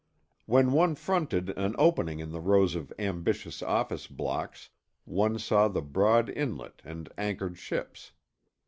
When one fronted an opening in the rows of ambitious office blocks, one saw the broad Inlet and anchored ships.